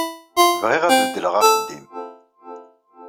Bɣiɣ ad beddleɣ axeddim.